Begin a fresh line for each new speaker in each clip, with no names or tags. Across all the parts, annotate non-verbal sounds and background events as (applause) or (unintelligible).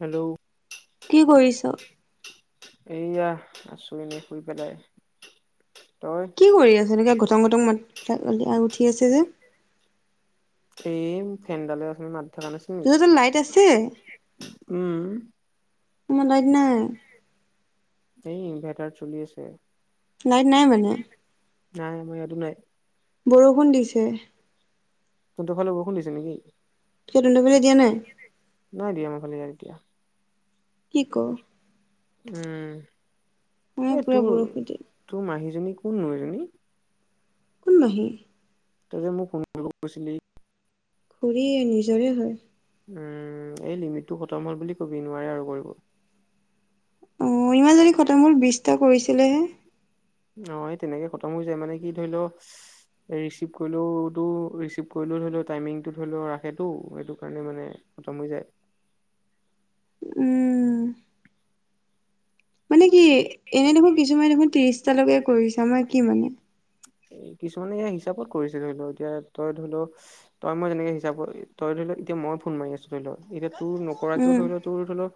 Hello.
কি কৰিছ?
এইয়া আছো এনেই শুই পেলাই। তই
কি কৰি আছে এনেকুৱা ঘটং ঘটং মল উঠি আছে যে।
সেই ফেনডালে আছিল মাত। থকা নাছিল নেকি
লাইট আছে?
উম
আমাৰ লাইট নাই।
এই ইনভাটাৰ চলি আছে।
লাইট নাই মানে?
নাই আমাৰ ইয়াটো নাই।
বৰষুণ দিছে।
তহঁতৰ ফালে বৰষূণ দিছে নেকি?
কি তন্ত ফলে দিয় নাই?
নাই দিয়া আমাৰ ফালে ইয়াত এতিয়া।
কি ক? আমাৰ
উম এই
পুৰা
তোৰ
বৰষুণ দি
তোৰ মাহি জনী কোন নো এইজনী?
কোন মাহি?
তই যে মোক (unintelligible) কৈছিলি।
খুৰী নিজৰে হয়।
উম এই লিমিটটো খতম হ'ল বুলি কবি নোৱাৰে আৰু কৰিব।
অ ইমান যদি খতম হল বিশটা কৰিছিলেহে।
অ এই তেনেকে খতম হৈ যায় মানে কি ধৰি ল ৰিচিভ কৰিলেওতো ৰিচিভ কৰিলেও ধৰি লও টাইমিংটো ধৰি লও ৰাখেতটো সেইটো কাৰণে মানে খতম হৈ যায়।
(inaudible) উম। মানে কি এনেই দেখোন কিছুমানে দেখোন ত্ৰিশটালৈকে কৰিছা আমাৰ কি মানে?
এ কিছুমানে এ হিচাপত কৰিছে ধৰি লও এতিয়া তই ধৰি লও তই মই যেনেকে হিচাপত তই ধৰি ধ ল এতিয়া মই ফোন মাৰি আছো ধৰি ল এতিয়া তোৰ নকৰাকেও
উম।
ধৰি লোৱা তোৰ ধৰি ল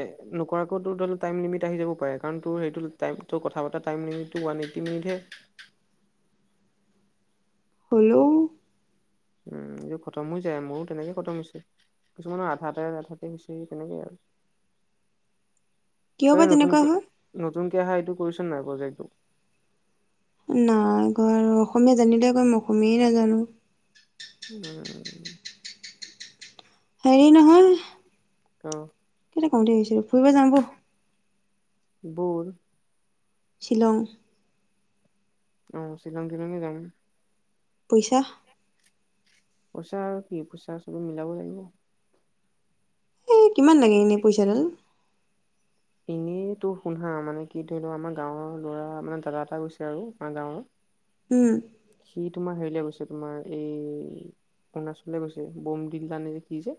এ নকৰাকৈ টোৰ ধৈল টাইম লিমিট আহি যাব পাৰে কাৰণ তোৰ এইটো টাইমতোৰ কথা টাইম লিমিটো (unintelligible)
হেল্ল'।
উম এইযোৰ খতম হৈ যায় মোৰো তেনেকে খতম হৈছে। কিছুমানৰ আধা এ আধাতে তেনেকেই আৰু।
(inaudible) কিয়
তই
বা তেনেকুৱা
নতুনক
হয়?
নতুনকে অহা এইটো কৰিছোন নাই প্ৰজেক্টটো।
নাই কৰা অসমীয়া জানিলে কইম অসমীয়াই নাজানো
উমমম
হেৰি নহয়
অ
কওঁ বুলে ভাবিছিলো ফুৰিব যাও বল
বোল
শিলং,
আহ শ্বিলং শ্বিলং দুই জনী যাম।
পইচা-
পইচা আৰু কি পইচা চবেই মিলাব লাগিব।
এ কিমান লাগে এনে পইচাডাল-
এই তটো শুনাা মানে কি ধৰি লোৱা আমাৰ গাঁৱৰ ল'ৰা মানে দাদা এটা গৈছে আৰু আমাৰ গাঁৱৰ।
উম
সি তোমাৰ হেৰিলে গৈছে তোমাৰ এই অৰুণাচল গৈছে বম দিল তানে যে সি যে-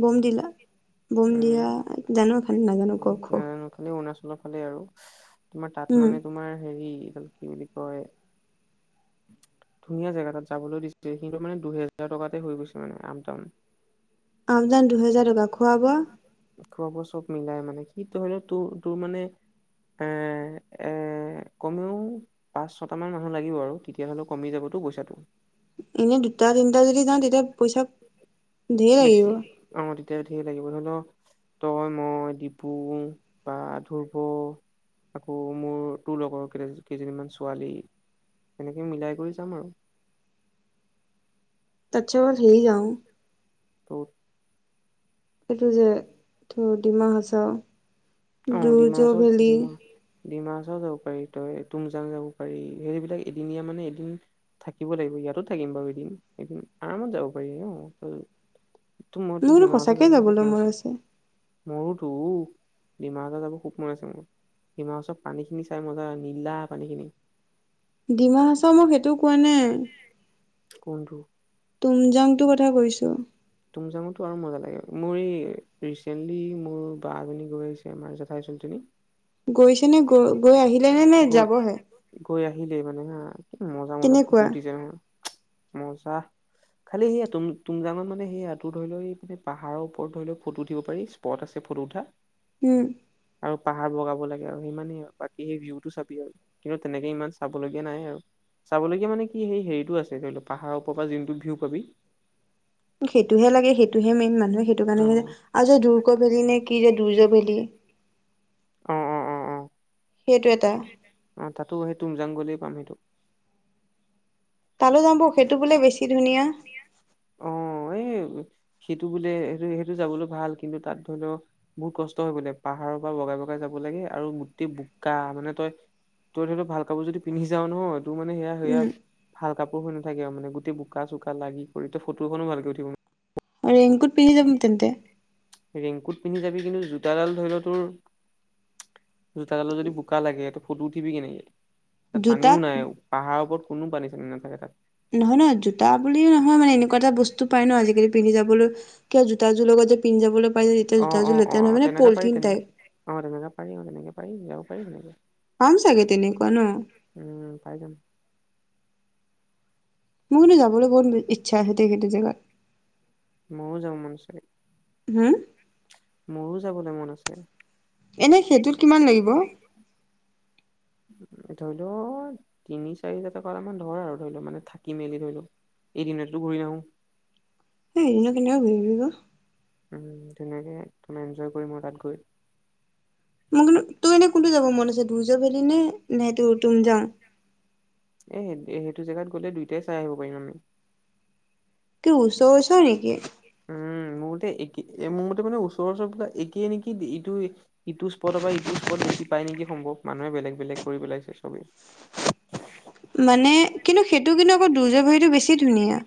বম দিলা বম
উম
দিয়া জানো এ খানে নাজানো ক খ
খালি অৰুণাচলৰ ফালে আৰু তোমাৰ তাত
উম
মানে তোমাৰ হেৰি কি বুলি ক'য়। ধুনীয়া জেগা তাত যাবলৈ দিছিল কিন্তু মানে দুহেজাৰ টকাতে হৈ গৈছে মানে আপ ডাউন-
আমজান দুহেজাৰ টকা খুৱা বোৱা।
খোৱাব চব মিলাই মানে সটো ধৰিলেও তোৰ তোৰ মানে- এ এ কমেও পাঁচ ছট মান মানুহ লাগিব। আৰু তেতিাহ'লে কমি যাবো পইচাটো।
এনেই দুটা তিনটা যদি যাওঁ তেতিয়া পইচা। ঢেৰ লাগিব
বেছি অ তেতিয়া ডেৰ লাগিব ন তই মই ডিপু বা ধুৰব আকৌ মোৰ তোৰ লগৰ কে কেইজনীমান ছোৱালী তেনেকে মিলাই কৰি যাম আৰু-
তাতছে ভাল হেৰি যাওঁ।
কত
এইটো যে তো ডিমা হাচাও
অ ডিমা
দুৰ্য
হাছাও
ভেলী
ডিমা ডিমা হাছাও যাব পাৰি তই তুমজাং যাব পাৰি সেইবিলাক এদিনীয়া মানে এদিন- থাকিব লাগিব ইয়াতো থাকিম বাৰু এদিন এদিন আৰামত যাব পাৰি ন তো মইতো
মোৰ কিন্তু
ডিমা হাছাও
সঁচাকে
যাম বুলি
যাবলৈ
সপোন
মন
আছে মোৰো তোৰো ডিমা হাছাও যাব খুব মন আছে মোৰ ডিমা হাছাওত পানীখিনি চাই মজা নীলা পানীখিনি-
ডিমা হাচাও মই সেইটো কোৱা নাই।
কোনটো
তুম যাংটো কথা কৈছো
তুমযাংতো আৰু মজা লাগে মোৰ এই ৰিচেন্টলি মোৰ বা এজনী গৈছে আমাৰ জেঠাই (unintelligible)
গৈছে নে গৈ গৈ আহিলে নে নে
গৈ
যাবহে-
গৈ আহিলেই মানে হা কি মজা মজা ফটো
তেনেকুৱা
উঠিছে নহয় মজা খালি সেয়া তুম তুম জাঙত মানে- সেয়া তোৰ ধৰি ল এ পাহাৰৰ ওপৰত ধৰি ল ফটো উঠিব পাৰি স্পট আছে ফটো উঠা।
উম
আৰু পাহাৰ বগাব লাগে আৰু সিমানেই আৰু বাকী সেই ভিউটো চাবি আৰু কিন্তু তেনেকে ইমান চাবলগীয়া নাই আৰু। চাবলগীয়া মানে কি হেই হেৰিটো আছে ধৰি ল পাহাৰৰ ওপৰ পৰা যোনটো ভিউ পাবি।
সেইটোহে লাগে সেইটোহে মেইন মানুহে সেইটো
অ
কাৰণেহে আও যে দুৰ্গ ভেলি নে- কি যে দূৰ্য ভেলি
অ অ অ অ
সেইটো- এটা
অ তাতো সেই তুমজাং গলে পাম সেইটো-
তালো যাও বল সেইটো বোলে বেছি ধুনীয়া।
অ', এই সেইটো বোলে সেইটো সেইটো যাবলৈ ভাল কিন্তু তাত ধৰি ল বহুত কষ্ট বোলে পাহাৰৰ পৰা বগাই বগাই যাব লাগ আৰু গোটেই বোকা মানে তই তই ধত ভাল কাপোৰ যদি পিন্ধি যাও নহয়। তটো মানে সেয়া সেয়া
উম
ভাল কাপোৰ হৈ নাথাকে আৰু মানে মানে গোটেই বোকা চোকা লাগি কৰি তো ফটোখনো ভালকে উঠিব
আৰু ৰেংকুত পিন্ধি যাম তেন্তে-
ৰেংকুট পিন্ধি যাবি কিন্তু জোতাডাল ধৰি ল তোৰ জোতাডালত যদি বোকা লাগে এটো ফটো উঠিবি কেনে কে তাত পানীও
জোতাত
নাই পাহাৰৰ ওপৰত কোনো পানী চানী নাথাকে তাত
নহয় নহয় জোতা বুলিও নহয় মানে এনেকুৱা এটা বস্তু পাই ন আজিকালি পিন্ধি যাবলৈ কিয় জোতাযোৰ লগত যে পিন্ধি যাবলে পাই যেতিয়া জোতা
অ',
যোৰ
অ', অ',
লেতেৰা নহয়
অ',
মানে
তেনেকা পাৰি
পলিথিন
তেনেকা
টাইপ
অ', তেনেকা পাৰি অ তেনেকে পাৰি যাব পাৰি
পাম চাগে তেনেকুৱা
সেনেকে
ন
উম পাই যাম
মোৰ কিন্তু যাবলে বহুত ইচ্ছা আছে সেইটো জেগাত
মোৰো যাব মন আছে।
হম
মোৰো যাবলে মন আছে
এনে সেইটোত কিমান লাগিব
ধৰি ল তিনি চাৰি হাজাৰ টকা মান ধৰ আৰু ধৰি ল মানে থাকি মেলি ধৰি ল এদিনতো ঘূৰি নাহো
(unintelligible)
উম তেনেকে তোমাৰ এনজয় কৰিম আৰু তাত গৈ
মোৰ তোৰ এনে কোনটো যাব মন আছে দুৰ্যভেলি নে নে তোৰ তুম যাং
এ সে সেইটো জেগাত গ'লে দুইটাই চাই আহিব পাৰিম আমি
তো ওচৰ ওচৰ নিকি
ম এক মোৰ মতে মানে ওচৰৰ ওৰাক একে নেকি ইটো ইটো স্পটৰ বা ইটো স্পট দেখি। পায় নেকি সম্ভৱ মানুহে বেলেগ বেলেগ কৰি পেলাইছে চবেই।
(unintelligible) মানে কিন্তু সেইটো কিন্তু আকৌ দুৰ্য ভৰিটো বেছি ধুনীয়া।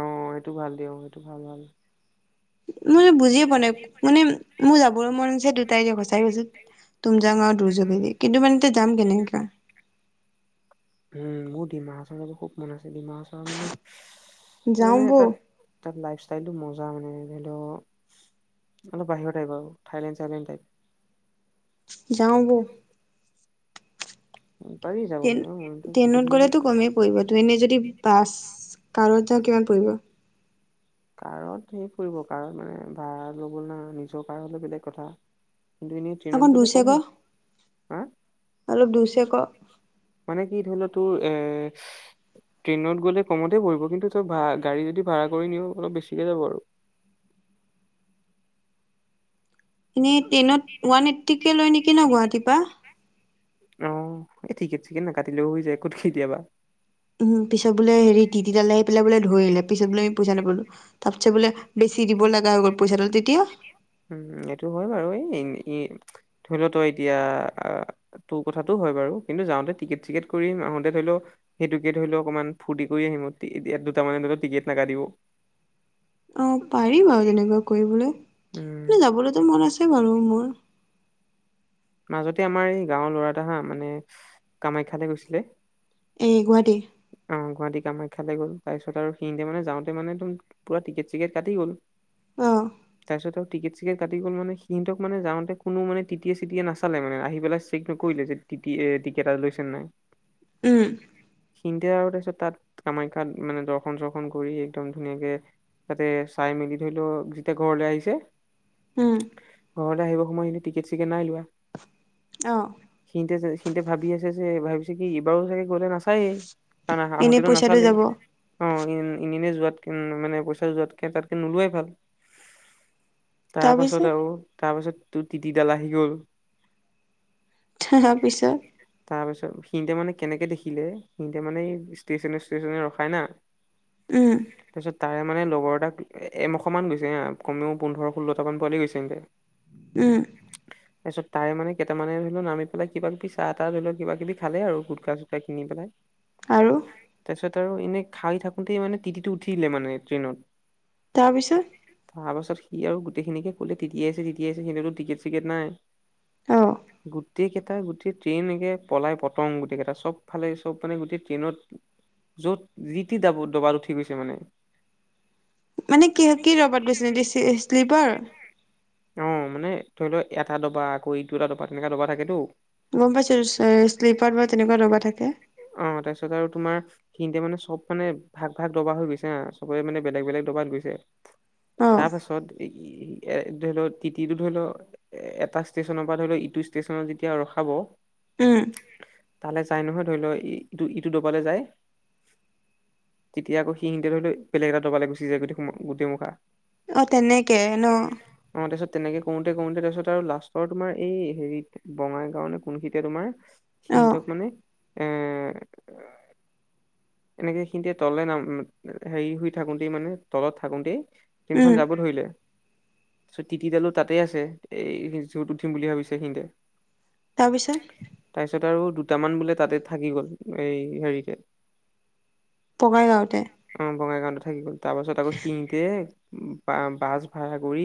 অ সেইটো ভাল দিয়ওঁ সেইটো ভাল ভাল-
মই বুজিয়ে পোৱা নাই মানে মোৰ যাবৰ মনছে দুটাই যে সচাই গৈছো। তুম যাওঁ আৰু দূুৰ্যবেদিী কিন্তু মান এতি যাম কেনেকা-
দমা চলাবোৰ খুব মন আছে। বমাৰ মানে স
যাওঁ
মানে
বৌ
তাত তাত লাইফ ষ্টাইল মজ মানে ধৰি লও অলপ বাহিৰৰ টাইপ আৰু থাইলেণ্ড চাইলেণ্ড টাইপ-
যাওঁ। বল
যাব।
ট্ৰেইন
ন
ট্ৰেইনত গ'লেতো কমেই পৰিব ট্ৰেইনে যদি বাছ কাৰত যাওঁ কিমান পৰিব।
কাৰত সে ফুৰিব কাৰণ মানে ভাড়া ল গল না নিজৰ কাৰ হলে বেলেগ কথা- কিন্তু এনেই ট্ৰেইনত
আকৌ
গ'লে
দুছে ক
কম হা
অলপ দুছে ক-
মানে কি ধৰি লও তোৰ এ ট্ৰেইনত গ'লে কমতে পৰিব কিন্তু ত ভ গাড়ী যদি ভাড়া কৰি নিও অলপ বেছিকে যাব। আৰু
(unintelligible) এনেই ট্ৰেইনত ওৱান এইট্টিকে লয় নেকি ন গুৱাহাটীৰ পৰা।
অ এই ঠিকে ঠিকেন নাকাটিলেও হৈ যায় ক'ত কেতিয়াবা।
উম পিছত বোলে হেৰি তি তিাল ল আহিেলে বোলে ধৰিলে পিছ বোলেি পইচা নাপলো তাৰ পিছত বোলে বেছি দিব। লগা হৈ গ'ল পইচা তেতিয়া।
উম এইটো হয় বাৰু এই ধৰি লতই এতিয়া তোৰ কথাাতটো। হয় বাৰু কিন্তু যাওঁতে টিকেট চিকেট কৰিম আহোতে ধৰি লও সেইটোকে ধৰি লও অকনমান ফূৰ্তি কৰি আহিম- দুটাম মানেতো টিকেট নাকাটিব।
অ পাৰি বাৰু তেনেকুৱা কৰিবলৈ
উম,
মে যাবলৈতো মন আছে বাৰু ৰোমৰ
মাজতে আমাৰ এই গাঁৱৰ ল'ৰা এটা হা মানে কামাখ্যাতে গৈছিলে।
এই গুৱাহাটী
কামাখ্যালৈ গ'ল তাৰপিছত সিহতে মানে যাওঁতে মানেটো পোৰা টিকেট চিকেট কাটি গ'ল।
অ
তাৰপিছত আৰু টিকেট চিকেট কাটি গ'ল মানে সিহঁতক মানে যাওঁতে কোনো মানে টি টি টি টি য়ে নাচালে মানে আহি পেলাই চেক নকৰিলে যে টিকেট এটা লৈছে নাই
উম
সি আৰু তাৰিছত তাত কামাখ্যাত মানে দৰ্শন চৰ্শন কৰি একদম ধুনীয়াকে- তাতে চাই মেলি ধৰি লওক যেতিয়া ঘৰলৈ আহিছে।
উম
ঘৰতে আহিব সময় টিকেট চিকেট- নাই লোৱা
অ
সিতে সিহতে ভাবি আছে। যে ভাবিছে কি এইবাৰো চাগে গলে নাচায়েই কাৰণ
এনেই
আহোতেতো
পইচাটো
নাচালেই
যাব
অ ইনে যোৱাতকে মানে পইচা যোৱাতকে তাতকে নোলোৱাই ভাল তাৰ পাছত
তাৰপিছত
আৰু তাৰপাছত তোৰ টতিতিডাল আহি গল -
তাৰপিছত
তাৰ পিছত- সিহতে মানে কেনেকৈ দেখিলে সিহতে মানে এই ষ্টেশচনে ষ্টেশচনে ৰখায় না।
উম
তাৰপিছত তাৰে মানে লগৰ এটা এমশা মান গৈছে কমেও পোন্ধৰ ষোল্লটা মান পোৱালি গৈছে এতে
উম
তাৰপিছত তাৰে মানে কেইটান ধৰি লও নামি পেলাই কিব কিবিাহ ধৰি লও কিবা কিবি খালে আৰু গুটকা চুটকা খিনি। বেলাই।
আৰু
তাৰপিছত আৰু এনে খাই থাকোতেই মানে টিটি টো উঠিলে মানে ট্ৰেইনত,
তাৰপিছত
- তাৰ পাছত সি আৰু গোটেইখিনিকে কলে তেতিয়াইছে টিটিআহিছে সেইহো টিকট টিকেট নাই।
অ
গোটেইকেইটা গোটেই ট্ৰেইন একে পলাই পতং গোটেই কেইটা চব ফালে চব মানে গোটেই ট্ৰেইনত- য'ত ৰীতি দ দবা উঠি গৈছে মানে।
মানে কি কি দবাত গৈছিলে শ্লিপাৰ
অ মানে ধৰি লও এটা দবা আকৌ ইটো দবা এটা দবা তেনেকা দবা থাকেতো।
গম পাইছো শ্লিপাৰ বা তেনেকুৱা দবা থাকে।
অ' তাৰপিছত আৰু তোমাৰ সিতে মানে চব মানে ভাগ ভাগ ডবা হৈ গৈছে হা চবে মানে বেলেগ বেলেগ দবাত গৈছে।
অ
তাৰ পাছত এ ধৰি লও তিতিটো ধৰি লও এ এটা ষ্টেচনৰ পৰা ধৰি লও ইটো ষ্টেচন যেতিয়া ৰখাব
উম।
তালে যায় নহয় ধৰি লও ইটো ইটো দবালে যায় তেতিয়া আকৌ সিখিনিতে ধৰি লও বেলেগ এটা দবালে গুচি যায় গ-গোটেই মখা
অ তেনেকে ন।
তাৰপিছত তেনেকে কৰোতে ক তাৰপাছত আৰু লাষ্টৰ তোমাৰ এই হেৰিত বঙাই গাও নে কোনখেইতে তোমাৰ
অ
সিহতক মানে উম।
(inaudible)
এনেকে খিনিতে তলে নাম হেৰি শুই থাকোতেই মানে তলত থাকোতেই
উম
ট্ৰেইনখন যাব ধৰিলে তাৰপিছত তিতি দালো তাতে আছ এই যত উঠিম বুলি ভাবিছে সিহতে
তাৰপিছত
আৰু দুটামান বোলে তাতে থাকি গ'ল এই হেৰিতে
বগাইগাঁওতে
অ বঙাইগাঁওতে থাকি গ'ল তাৰ পাছত আকৌ শিঙতে বা বাছ ভাড়া কৰি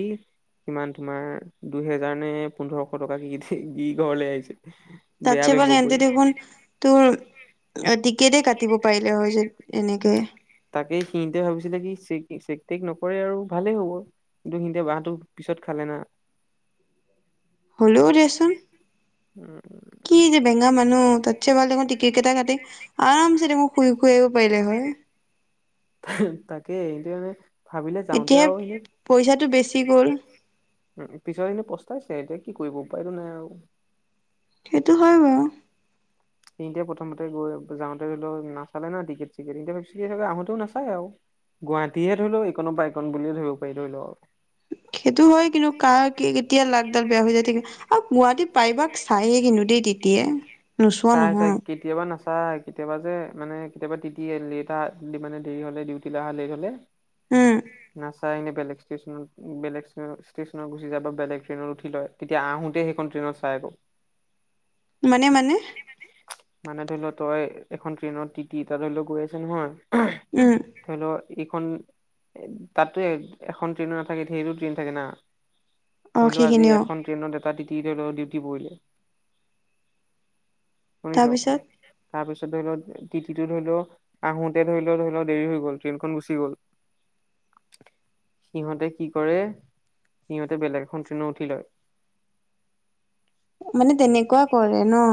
সিমান তোমাৰ দুহেজাৰ নে পোন্ধৰশ টকা কি ঘৰলৈ আহিছে বেয়া
তাতচেপ
বেম্ব
এতে
পৰি
দেখোন তোৰ অ টিকেতে কাটিব পাৰিলে হয় চোন এনেকে
তাকেই সিনিতে ভাবিছিলে কি চেক চেক তেক নকৰে আৰু ভালেই হ'ব। কিন্তু সিয়া বাঁহটো পিছত খালে না।
হ'লোও দেচোন।
উম
কি যে বেঙা মানুহ তাতছে বাৰ দেখোন টিকট কেইটা কাটে আৰামছে দেখোন শুই শুই আহিব পাৰিলে হয়।
(unintelligible) যাওঁতে
এতিয়া
আৰু
পইচাটো বেছি গ'ল।
উ পিছৰ এনে পস্তাইছে এতিয়া কি কৰিব উপ উপায়তো নাই আৰু।
সেইটো হয় বাৰু।
এতিয়া প্ৰথমতে গৈ যাওঁতে ধৰি লও নাচালে ন টিকেট চিকেট থাকে আহোতেও নাচায় আৰু। গুৱাহাটীহে ধৰি লও এইকনৰ পৰা এইকন বুলিয়ে ধৰিব পাৰি ধৰি লও আৰু।
সেইটো হয় কিন্তু কা কি কেতিয়া লাগ ডাল বেয়া হৈ যায় থাকিল আৰু গুৱাহাটীত প্ৰায়ভাগ চায়ে কিন্তু দেই টি টি য়ে
চাই চাই কেতিয়াবা চাই কেতিয়াবা যে মানে কেতিয়াবা তিতি লেট মানে দেৰি হ'লে ডিউটিলৈ অহা লেট হলে
উম
উম চাই এনে বেলেগ ষ্টেচনত বেলেগ ষ্টেচনত গুচি যায় বা বেলেগ ট্ৰেইনত উঠি লয়। তেতিয়া আহোতে সেইখন ট্ৰেইনত চাই আকৌ
মানে মানে
মানে ধৰি লও তই এখন ট্ৰেইনত তিতি এটা ধৰি লও গৈ আছে নহয়
উম
ধৰি লও ইখন তাতো এখন ট্ৰেইন নাথাকে ঢেৰটো ট্ৰেইন থাকে না
অ
ধৰি লও আজি
সেইখিনিও
এখন এটা তিতি ধৰি ল ডিউটি পৰিলে শুনিছ
তাৰপিছত
তাৰপিছত ধৰি লও তিতিটো ধৰি লও আহোতে ধৰি লও ধৰি লও দেৰি হৈ গ'ল ট্ৰেইনখন গুচি গ'ল। সিহঁতে কি কৰে সিহঁতে বেলেগ এখন ট্ৰেইনৰত উঠি লয়।
মানে তেনেকুৱা কৰে ন।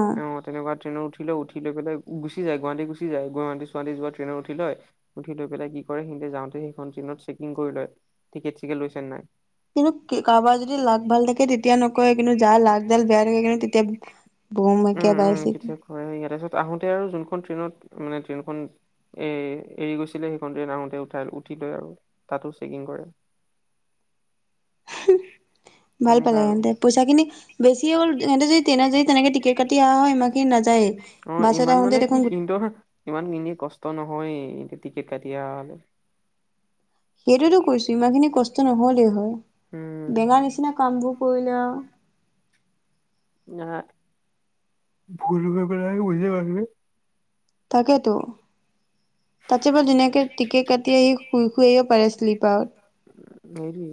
টেইনত উঠি লয় উঠি লৈ পেলাই গুচি যায় গুৱাহাটী গুচি যায় গুৱাহাটী চোৱাহাটী যোৱা ট্ৰেইনত উঠি লৈ উঠি লৈ পেলাই কি কৰে যাওঁতে সেইখন ট্ৰেইনত চেকিং কৰি লয় টিকে চিকেট লৈছে নাই
কিন্তু কাৰোবাৰ যদি লাক ভাল থাকে তেতিয়া নকয় কিন্তু যাৰ লাকডাল বেয়া থাকে কিন্তু তেতিয়া বৌ মকে বাইছিলি
আহোঁতে আৰু যোনখন ট্ৰেইনত মানে ট্ৰেইনখন এ এৰি গৈছিলে সেইখন ট্ৰেইন আহোতে উঠাই উঠি লৈ আৰু তাতো চেকিং কৰে
(inaudible) ভাল
সেনেকা
পালে
আৰু
সিহঁতে পইচা খিনি বেছিয়ে হ'ল সিহঁতে হতে যদি তেনে য তেনেকে টিকট কাটি আহ হয় ইমান খিনি নাযায়েই
অ
বাছত
ইমান
আহোতে
মানে কি
দেখোন
স ইমান কিনি কষ্ট নহয় হয় টিকেট কাটি অহা হলে
সেইটোতো কৈছোঁ ইমান খিনি কষ্ট নহলেই হয়
উম
বেঙা নিচিনা কামবোৰ কৰিলে আও
ন ভুল পেলাই বুজি পাৰ
তাকেতো ৰাতিপুৱা ধুনীয়াকে টিকে কাটি আহি শুই শুই আহিব পাৰে শ্লিপাৰত
সেইটোৱে